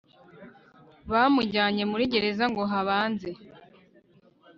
bamujyanye muri gereza ngo habanze